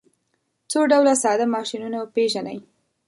څو ډوله ساده ماشینونه پیژنئ.